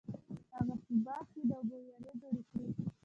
هغه په باغ کې د اوبو ویالې جوړې کړې.